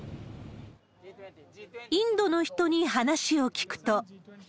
インドの人に話を聞くと。